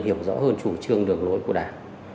hiểu rõ hơn chủ trương đường lối của đảng